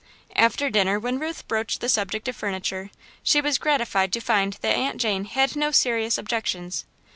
After dinner, when Ruth broached the subject of furniture, she was gratified to find that Aunt Jane had no serious objections.